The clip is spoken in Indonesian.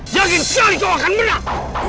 jangan sekali kau akan menang